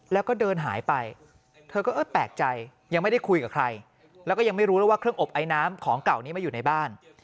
แล้วก็เดินหายไปเธอก็เออแปลกใจยังไม่ได้คุยกับใครแล้วก็ยังไม่รู้เลยว่าเครื่องอบไอน้ำของเก่านี้มาอยู่ในบ้าน